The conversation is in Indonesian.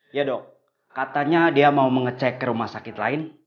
ya dok katanya dia mau mengecek ke rumah sakit lain